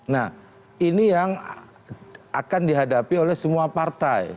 nah ini yang akan dihadapi oleh semua partai